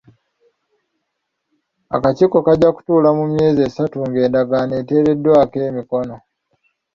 Akakiiko kajja kutuula mu myezi esatu ng'endagaano eteereddwako emikono.